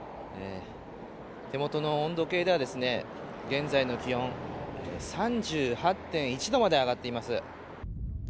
手元の温度計では現在の気温３８．１度まで上がっています。